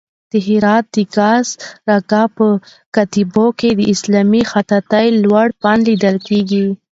د هرات د گازرګاه په کتيبو کې د اسلامي خطاطۍ لوړ فن لیدل کېږي.